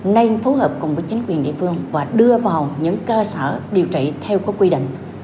nên phối hợp cùng với chính quyền địa phương và đưa vào những cơ sở điều trị theo quy định